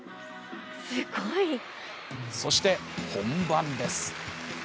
そして、本番です。